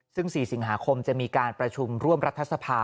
ซึ่ง๔สิงหาคมจะมีการประชุมร่วมรัฐสภา